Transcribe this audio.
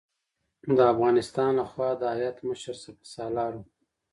د افغانستان له خوا د هیات مشر سپه سالار و.